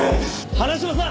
花島さん！